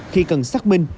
khi cần xác minh